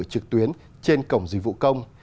trực tuyến trên cổng dịch vụ công